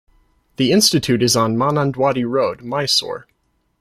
The institute is on Manandwadi Road, Mysore.